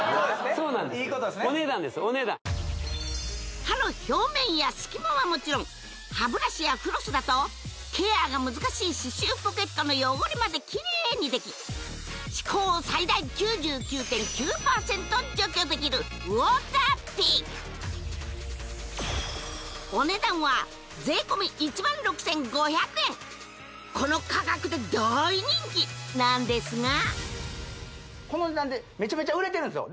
そうなんですよお値段ですお値段歯の表面や隙間はもちろん歯ブラシやフロスだとケアが難しい歯周ポケットの汚れまでキレイにでき歯垢を最大９９．９％除去できるウォーターピックお値段はこの価格で大人気なんですがこの値段でめちゃめちゃ売れてるんですよ